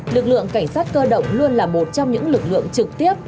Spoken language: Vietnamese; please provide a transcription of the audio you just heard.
lực lượng cảnh sát cơ động luôn là một trong những lực lượng trực tiếp